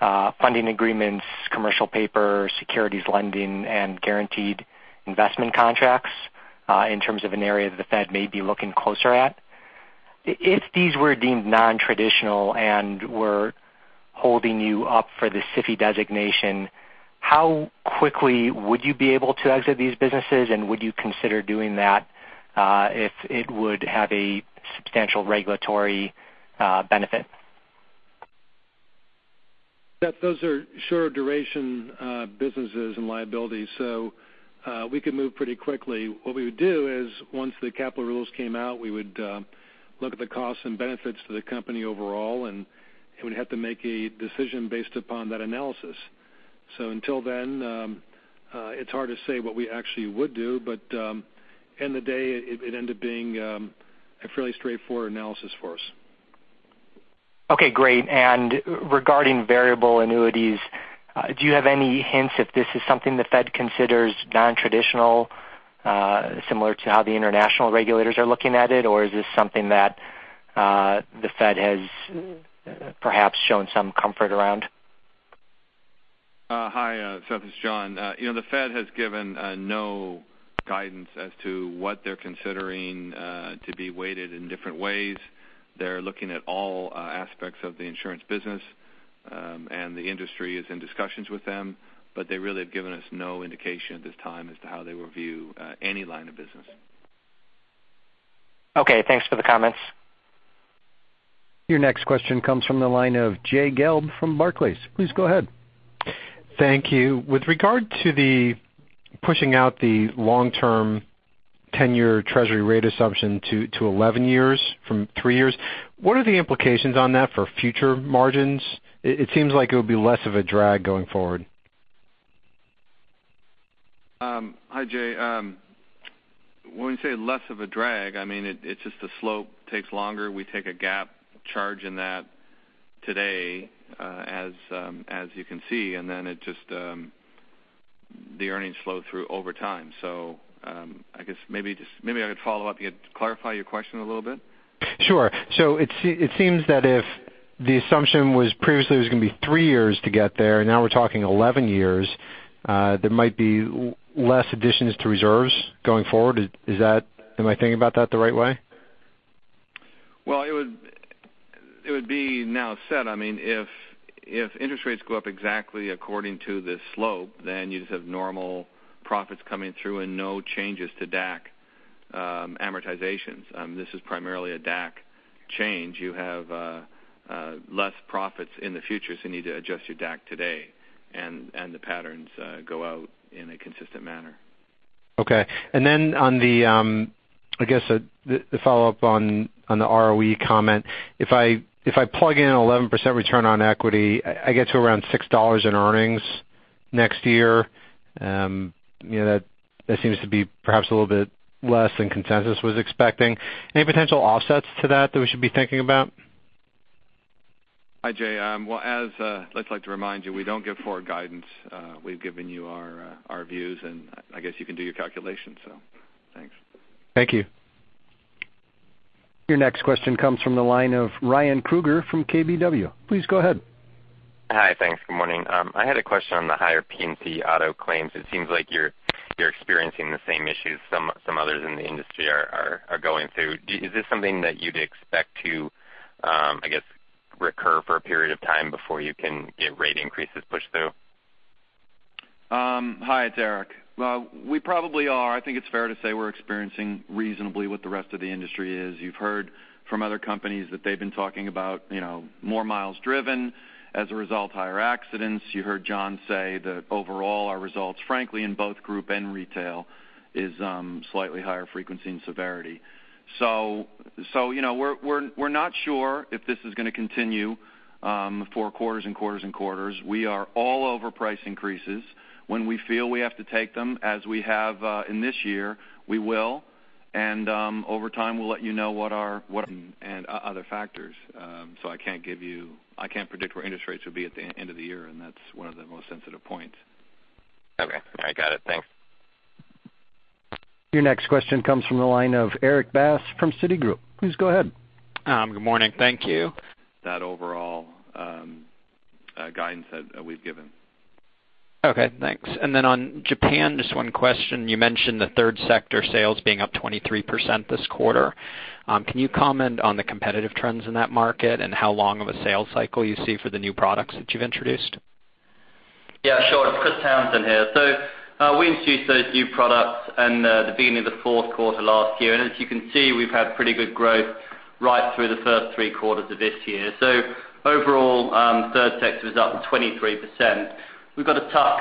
[SPEAKER 9] funding agreements, commercial paper, securities lending, and guaranteed investment contracts in terms of an area that the Fed may be looking closer at. If these were deemed non-traditional and were holding you up for the SIFI designation, how quickly would you be able to exit these businesses, and would you consider doing that if it would have a substantial regulatory benefit?
[SPEAKER 3] Seth, those are shorter duration businesses and liabilities, so we could move pretty quickly. What we would do is once the capital rules came out, we would look at the costs and benefits to the company overall, and we'd have to make a decision based upon that analysis. Until then, it's hard to say what we actually would do. End the day, it'd end up being a fairly straightforward analysis for us.
[SPEAKER 9] Okay, great. Regarding variable annuities, do you have any hints if this is something the Fed considers non-traditional, similar to how the international regulators are looking at it, or is this something that the Fed has perhaps shown some comfort around?
[SPEAKER 4] Hi, Seth, it's John. The Fed has given no guidance as to what they're considering to be weighted in different ways. They're looking at all aspects of the insurance business, and the industry is in discussions with them, but they really have given us no indication at this time as to how they will view any line of business.
[SPEAKER 9] Okay. Thanks for the comments.
[SPEAKER 1] Your next question comes from the line of Jay Gelb from Barclays. Please go ahead.
[SPEAKER 10] Thank you. With regard to the pushing out the long-term 10-year treasury rate assumption to 11 years from three years, what are the implications on that for future margins? It seems like it would be less of a drag going forward.
[SPEAKER 4] Hi, Jay. When we say less of a drag, it's just the slope takes longer. We take a GAAP charge in that today, as you can see, and then the earnings flow through over time. I guess maybe I could follow up. You clarify your question a little bit?
[SPEAKER 10] Sure. It seems that if the assumption was previously it was going to be three years to get there, and now we're talking 11 years, there might be less additions to reserves going forward. Am I thinking about that the right way?
[SPEAKER 4] Well, it would be now set. If interest rates go up exactly according to this slope, you just have normal profits coming through and no changes to DAC amortizations. This is primarily a DAC change. You have less profits in the future, you need to adjust your DAC today, the patterns go out in a consistent manner.
[SPEAKER 10] Okay. On the follow-up on the ROE comment, if I plug in 11% return on equity, I get to around $6 in earnings Next year, that seems to be perhaps a little bit less than consensus was expecting. Any potential offsets to that we should be thinking about?
[SPEAKER 4] Hi, Jay. Well, as I'd like to remind you, we don't give forward guidance. We've given you our views, I guess you can do your calculation. Thanks.
[SPEAKER 10] Thank you.
[SPEAKER 1] Your next question comes from the line of Ryan Krueger from KBW. Please go ahead.
[SPEAKER 11] Hi. Thanks. Good morning. I had a question on the higher P&C auto claims. It seems like you're experiencing the same issues some others in the industry are going through. Is this something that you'd expect to, I guess, recur for a period of time before you can get rate increases pushed through?
[SPEAKER 12] Hi, it's Eric. Well, we probably are. I think it's fair to say we're experiencing reasonably what the rest of the industry is. You've heard from other companies that they've been talking about more miles driven. As a result, higher accidents. You heard John say that overall, our results, frankly, in both group and retail, is slightly higher frequency and severity. We're not sure if this is going to continue for quarters and quarters and quarters. We are all over price increases. When we feel we have to take them, as we have in this year, we will. Over time, we'll let you know what our- and other factors. I can't predict where interest rates will be at the end of the year, and that's one of the most sensitive points.
[SPEAKER 11] Okay. All right, got it. Thanks.
[SPEAKER 1] Your next question comes from the line of Erik Bass from Citigroup. Please go ahead.
[SPEAKER 13] Good morning. Thank you.
[SPEAKER 4] That overall guidance that we've given.
[SPEAKER 13] Okay, thanks. Then on Japan, just one question. You mentioned the third sector sales being up 23% this quarter. Can you comment on the competitive trends in that market and how long of a sales cycle you see for the new products that you've introduced?
[SPEAKER 14] Yeah, sure. It's Christopher Townsend here. We introduced those new products in the beginning of the fourth quarter last year. As you can see, we've had pretty good growth right through the first three quarters of this year. Overall, third sector was up 23%. We've got a tough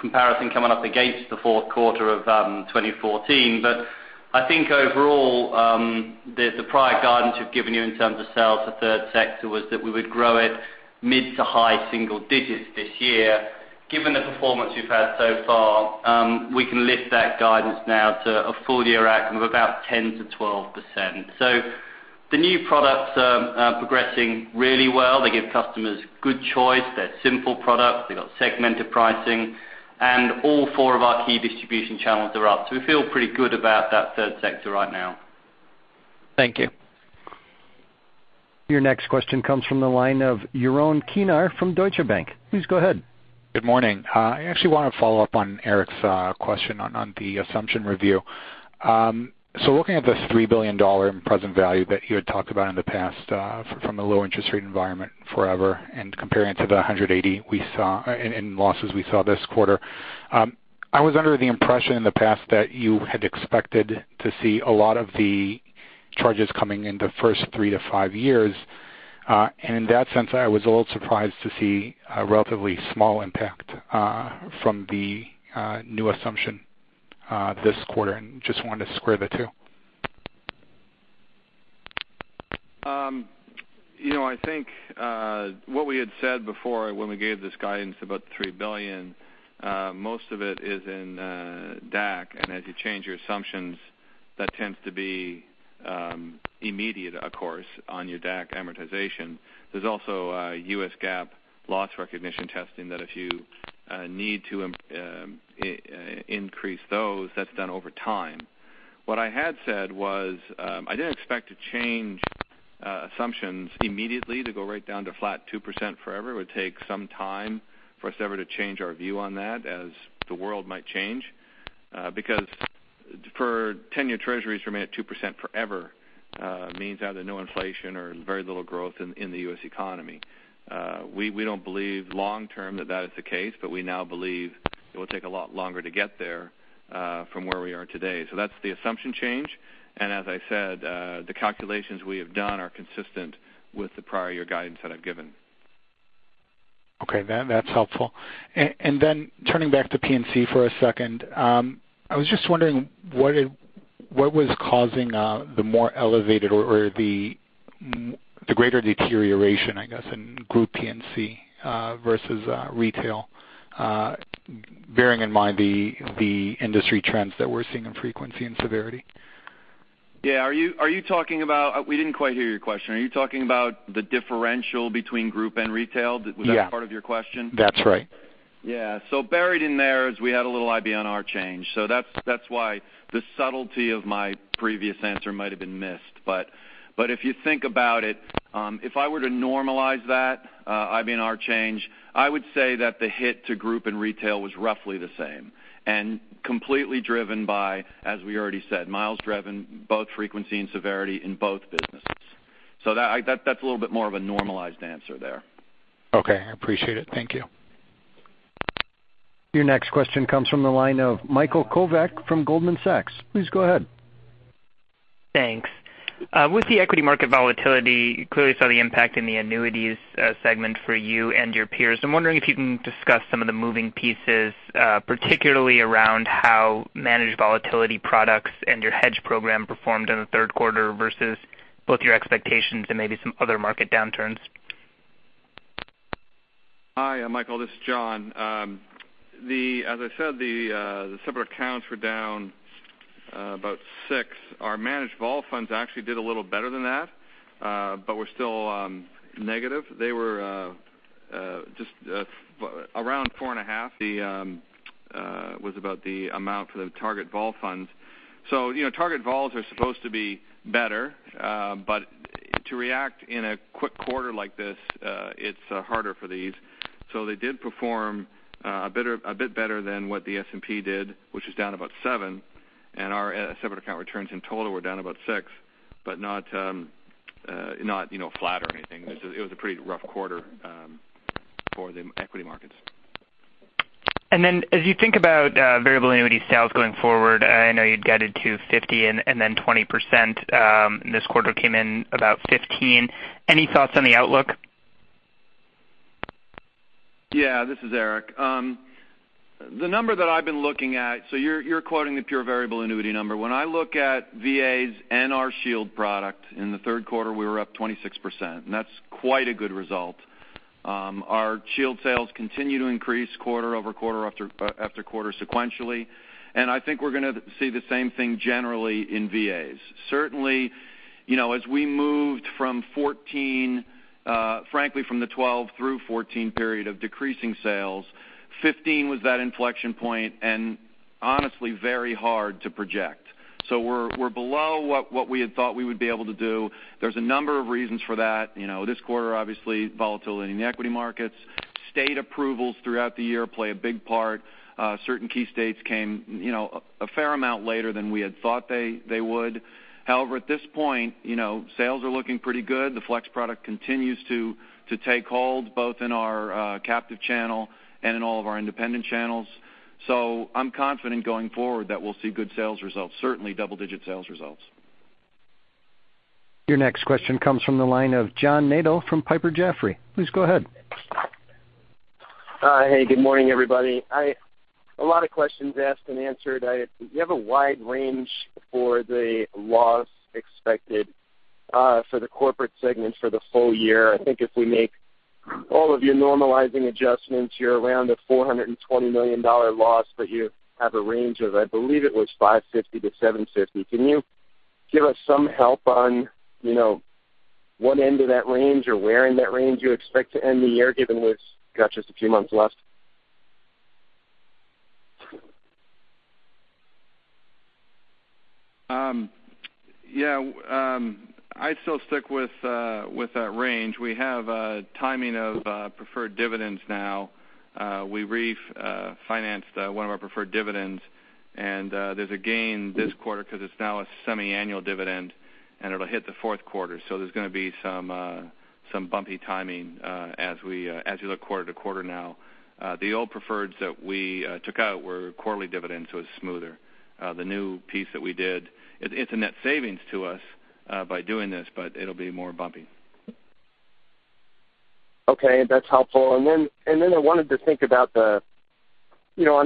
[SPEAKER 14] comparison coming up against the fourth quarter of 2014. I think overall, the prior guidance we've given you in terms of sales to third sector was that we would grow it mid to high single digits this year. Given the performance we've had so far, we can lift that guidance now to a full-year outcome of about 10%-12%. The new products are progressing really well. They give customers good choice. They're simple products. They've got segmented pricing. All four of our key distribution channels are up. We feel pretty good about that third sector right now.
[SPEAKER 13] Thank you.
[SPEAKER 1] Your next question comes from the line of Yaron Kinar from Deutsche Bank. Please go ahead.
[SPEAKER 15] Good morning. I actually want to follow up on Eric's question on the assumption review. Looking at this $3 billion present value that you had talked about in the past from the low interest rate environment forever and comparing to the $180 in losses we saw this quarter. I was under the impression in the past that you had expected to see a lot of the charges coming in the first three to five years. In that sense, I was a little surprised to see a relatively small impact from the new assumption this quarter, and just wanted to square the two.
[SPEAKER 4] I think what we had said before when we gave this guidance about the $3 billion, most of it is in DAC, and as you change your assumptions, that tends to be immediate, of course, on your DAC amortization. There's also a U.S. GAAP loss recognition testing that if you need to increase those, that's done over time. What I had said was, I didn't expect to change assumptions immediately to go right down to flat 2% forever. It would take some time for us ever to change our view on that as the world might change. For 10-year treasuries to remain at 2% forever means either no inflation or very little growth in the U.S. economy. We don't believe long-term that that is the case, but we now believe it will take a lot longer to get there from where we are today. That's the assumption change, and as I said, the calculations we have done are consistent with the prior year guidance that I've given.
[SPEAKER 15] Okay. That's helpful. Turning back to P&C for a second, I was just wondering what was causing the more elevated or the greater deterioration, I guess, in group P&C versus retail, bearing in mind the industry trends that we're seeing in frequency and severity.
[SPEAKER 4] Yeah. We didn't quite hear your question. Are you talking about the differential between group and retail?
[SPEAKER 15] Yeah.
[SPEAKER 4] Was that part of your question?
[SPEAKER 15] That's right.
[SPEAKER 4] Yeah. Buried in there is we had a little IBNR change. That's why the subtlety of my previous answer might have been missed. If you think about it, if I were to normalize that IBNR change, I would say that the hit to group and retail was roughly the same and completely driven by, as we already said, miles driven, both frequency and severity in both businesses. That's a little bit more of a normalized answer there.
[SPEAKER 15] Okay. I appreciate it. Thank you.
[SPEAKER 1] Your next question comes from the line of Michael Kovac from Goldman Sachs. Please go ahead.
[SPEAKER 16] Thanks. With the equity market volatility, clearly saw the impact in the annuities segment for you and your peers. I'm wondering if you can discuss some of the moving pieces, particularly around how managed volatility products and your hedge program performed in the third quarter versus both your expectations and maybe some other market downturns.
[SPEAKER 4] Hi, Michael, this is John. As I said, the separate accounts were down about six percent. Our managed vol funds actually did a little better than that but were still negative. They were just around four and a half percent, was about the amount for the target vol funds. Target vols are supposed to be better but to react in a quick quarter like this, it's harder for these. They did perform a bit better than what the S&P did, which was down about seven percent, and our separate account returns in total were down about six percent, but not flat or anything. It was a pretty rough quarter for the equity markets.
[SPEAKER 16] As you think about variable annuity sales going forward, I know you'd guided to 50% and 20% and this quarter came in about 15%. Any thoughts on the outlook?
[SPEAKER 12] Yeah, this is Eric. The number that I've been looking at, you're quoting the pure variable annuity number. When I look at VAs and our Shield product, in the third quarter, we were up 26%, and that's quite a good result. Our Shield sales continue to increase quarter over quarter after quarter sequentially, and I think we're going to see the same thing generally in VAs. As we moved from 2014, frankly from the 2012 through 2014 period of decreasing sales, 2015 was that inflection point, and honestly very hard to project. We're below what we had thought we would be able to do. There's a number of reasons for that. This quarter, volatility in the equity markets, state approvals throughout the year play a big part. Certain key states came a fair amount later than we had thought they would. At this point, sales are looking pretty good. The Flex product continues to take hold both in our captive channel and in all of our independent channels. I'm confident going forward that we'll see good sales results, certainly double-digit sales results.
[SPEAKER 1] Your next question comes from the line of John Nadel from Piper Jaffray. Please go ahead.
[SPEAKER 17] Hi. Good morning, everybody. A lot of questions asked and answered. You have a wide range for the loss expected for the corporate segment for the whole year. I think if we make all of your normalizing adjustments, you're around a $420 million loss, but you have a range of, I believe it was $550 million-$750 million. Can you give us some help on one end of that range or where in that range you expect to end the year, given we've got just a few months left?
[SPEAKER 4] Yeah. I'd still stick with that range. We have timing of preferred dividends now. We refinanced one of our preferred dividends, and there's a gain this quarter because it's now a semi-annual dividend, and it'll hit the fourth quarter. There's going to be some bumpy timing as you look quarter to quarter now. The old preferreds that we took out were quarterly dividends, so it was smoother. The new piece that we did, it's a net savings to us by doing this, but it'll be more bumpy.
[SPEAKER 17] Okay, that's helpful. I wanted to think about on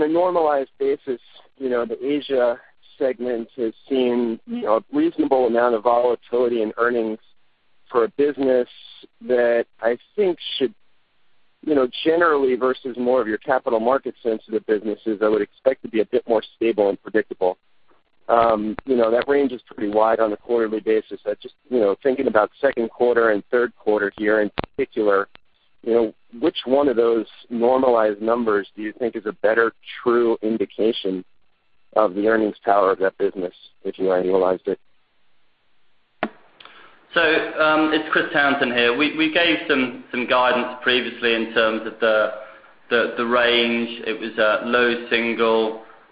[SPEAKER 17] a normalized basis, the Asia segment has seen a reasonable amount of volatility in earnings for a business that I think should generally versus more of your capital market sensitive businesses, I would expect to be a bit more stable and predictable. That range is pretty wide on a quarterly basis. Thinking about second quarter and third quarter here in particular, which one of those normalized numbers do you think is a better true indication of the earnings power of that business if you annualized it?
[SPEAKER 14] It's Christopher Townsend here. We gave some guidance previously in terms of the range. It was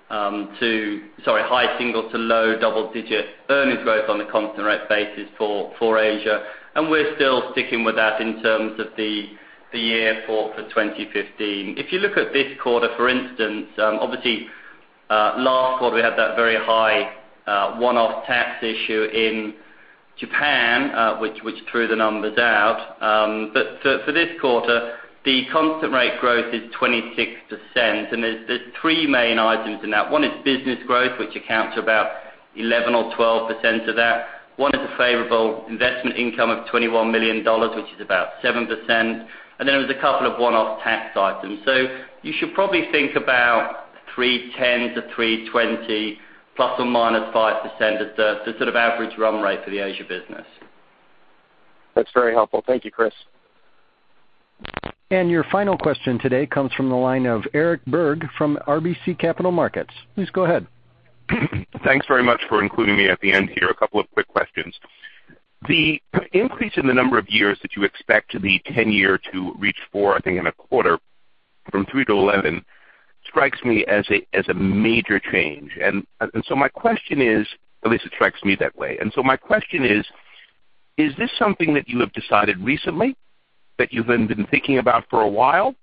[SPEAKER 14] high single to low double digit earnings growth on a constant rate basis for Asia, and we're still sticking with that in terms of the year for 2015. If you look at this quarter, for instance, obviously last quarter we had that very high one-off tax issue in Japan, which threw the numbers out. For this quarter, the constant rate growth is 26%, and there's three main items in that. One is business growth, which accounts for about 11% or 12% of that. One is a favorable investment income of $21 million, which is about 7%. There was a couple of one-off tax items. You should probably think about $310 million-$320 million ±5% as the sort of average run rate for the Asia business.
[SPEAKER 17] That's very helpful. Thank you, Chris.
[SPEAKER 1] Your final question today comes from the line of Eric Berg from RBC Capital Markets. Please go ahead.
[SPEAKER 18] Thanks very much for including me at the end here. A couple of quick questions. The increase in the number of years that you expect the 10-year to reach four, I think in a quarter from three to 11, strikes me as a major change. At least it strikes me that way. My question is this something that you have decided recently that you haven't been thinking about for a while?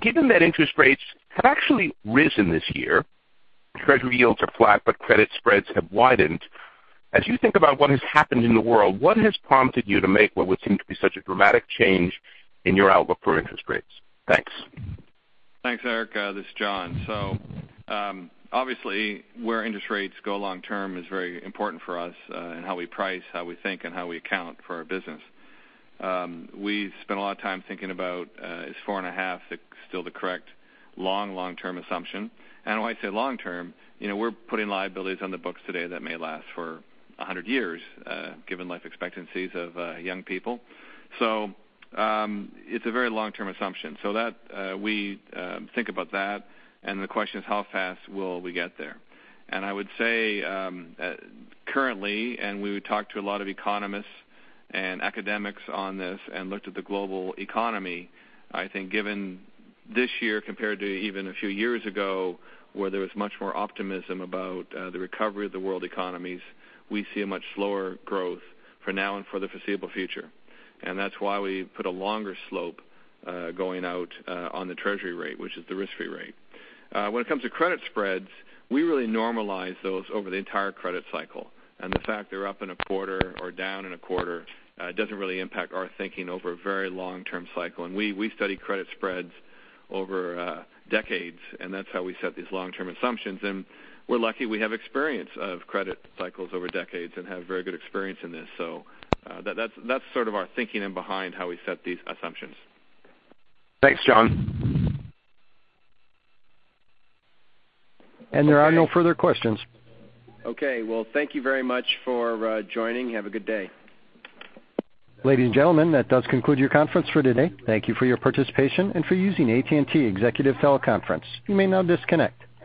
[SPEAKER 18] Given that interest rates have actually risen this year, Treasury yields are flat, but credit spreads have widened. As you think about what has happened in the world, what has prompted you to make what would seem to be such a dramatic change in your outlook for interest rates? Thanks.
[SPEAKER 4] Thanks, Eric. This is John. Obviously where interest rates go long-term is very important for us in how we price, how we think, and how we account for our business. We spent a lot of time thinking about is four and a half still the correct long-term assumption. When I say long-term, we're putting liabilities on the books today that may last for 100 years given life expectancies of young people. It's a very long-term assumption. We think about that, and the question is how fast will we get there? I would say currently, we would talk to a lot of economists and academics on this and looked at the global economy. I think given this year compared to even a few years ago, where there was much more optimism about the recovery of the world economies, we see a much slower growth for now and for the foreseeable future. That's why we put a longer slope going out on the Treasury rate, which is the risk-free rate. When it comes to credit spreads, we really normalize those over the entire credit cycle, and the fact they're up in a quarter or down in a quarter doesn't really impact our thinking over a very long-term cycle. We study credit spreads over decades, and that's how we set these long-term assumptions. We're lucky we have experience of credit cycles over decades and have very good experience in this. That's sort of our thinking and behind how we set these assumptions.
[SPEAKER 18] Thanks, John.
[SPEAKER 1] There are no further questions.
[SPEAKER 2] Okay. Well, thank you very much for joining. Have a good day.
[SPEAKER 1] Ladies and gentlemen, that does conclude your conference for today. Thank you for your participation and for using AT&T Executive Teleconference. You may now disconnect.